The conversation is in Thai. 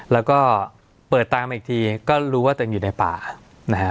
แล้วก็เปิดตามมาอีกทีก็รู้ว่าตัวเองอยู่ในป่านะฮะ